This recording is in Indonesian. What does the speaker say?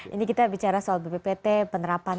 ini kita bicara soal bppt penerapan